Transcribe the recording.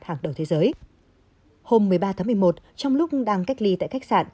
hôm một mươi ba tháng một mươi một trong lúc đang cách ly tại khách sạn